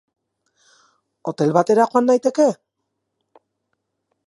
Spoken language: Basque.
Hotel batera joan naiteke?